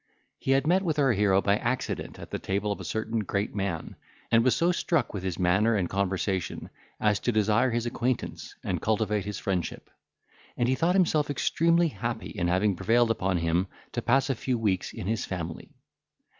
He had met with our hero by accident at the table of a certain great man, and was so struck with his manner and conversation, as to desire his acquaintance, and cultivate his friendship; and he thought himself extremely happy in having prevailed upon him to pass a few weeks in his family.